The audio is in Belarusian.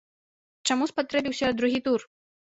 Чаму спатрэбіўся другі тур?